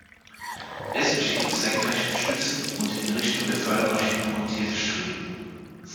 Es besteht aus senkrechten Stützen und in Richtung der Fördermaschine montierte Streben.